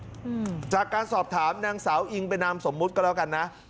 อืมจากการสอบถามนางสาวอิงเป็นนามสมมุติก็แล้วกันนะ